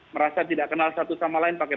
merasa tidak kenal satu sama lain pakai